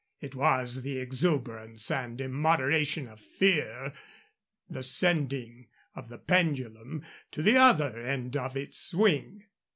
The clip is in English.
It was the exuberance and immoderation of fear the sending of the pendulum to the other end of its swing.